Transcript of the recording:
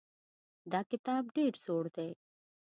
دا کتاب ډېر زوړ دی.